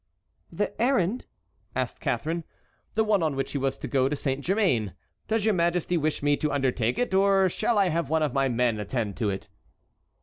"The errand?" asked Catharine. "The one on which he was to go to Saint Germain. Does your majesty wish me to undertake it, or shall I have one of my men attend to it?"